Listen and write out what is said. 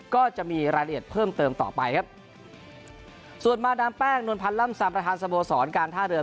ก็จะมีรายละเอียดเพิ่มเติมต่อไปครับส่วนมาดามแป้งนวลพันธ์ล่ำซามประธานสโมสรการท่าเรือ